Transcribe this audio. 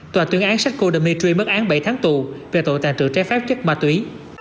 tòa tuyên án shekko dmitry mất án bảy tháng tù về tội tàn trữ trái phép chất ma túy